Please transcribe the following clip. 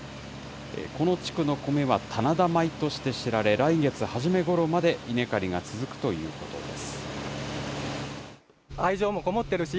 この地区の米は棚田米として知られ、来月初めごろまで稲刈りが続くということです。